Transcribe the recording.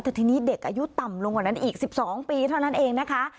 แต่ทีนี้เด็กอายุต่ำลงกว่านั้นอีก๑๒ปีเท่านั้นเองนะคะ